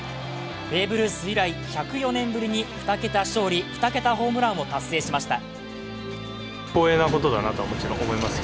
ベーブ・ルース以来１０４年ぶりに２桁勝利・２桁ホームランを達成しました。